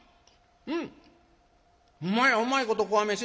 うんほんまやうまいことこわ飯になってる。